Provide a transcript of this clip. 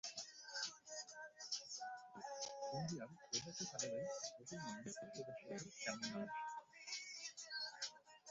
উনডিয়াল, ওদাচা কাদালাই, বোতল মানি, সোডা শেখর, কেমন নাম এসব?